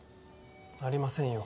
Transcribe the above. ありませんよ。